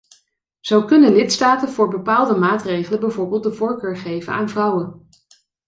Zo kunnen lidstaten voor bepaalde maatregelen bijvoorbeeld de voorkeur geven aan vrouwen.